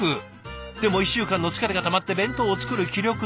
でも１週間の疲れがたまって弁当を作る気力なし。